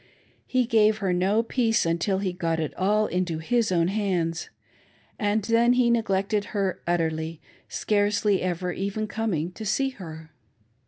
He gave her no peace until he got it all into his own hands, and then he neglected her utterly ; scarcely ever even coming to see her.